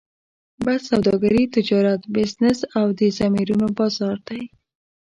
بس سوداګري، تجارت، بزنس او د ضمیرونو بازار دی.